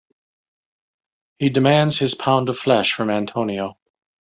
He demands his pound of flesh from Antonio.